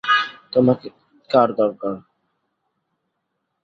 তোমাকে কার দরকার?